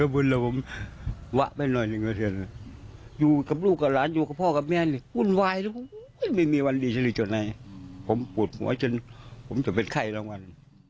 พ่อตัวเอกก็ไม่สบายใจมานาน